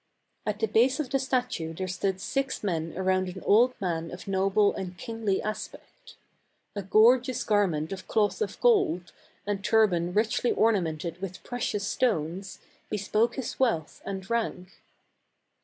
At the base of the statue there stood six men around an old man of noble and kingly aspect. A gorgeous garment of cloth of gold, and turban richly ornamented with precious stones, bespoke his wealth and rank.